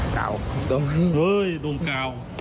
เกาโอ้ยดุมเกา